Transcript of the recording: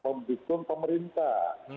karena kami adalah pendukung pemerintah